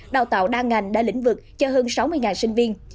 đào tạo đa ngành đa lĩnh vực cho hơn sáu mươi sinh viên